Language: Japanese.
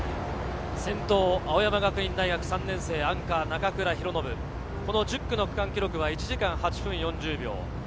先頭、青山学院大学３年生、アンカー・中倉啓敦、１０区の区間記録は１時間８分４０秒。